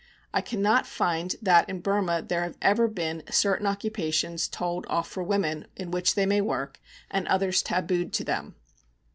I cannot find that in Burma there have ever been certain occupations told off for women in which they may work, and others tabooed to them.